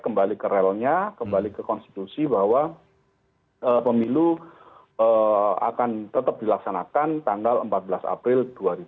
kembali ke relnya kembali ke konstitusi bahwa pemilu akan tetap dilaksanakan tanggal empat belas april dua ribu dua puluh